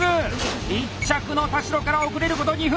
１着の田代から遅れること２分！